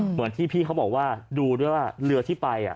เหมือนที่พี่เขาบอกว่าดูด้วยว่าเรือที่ไป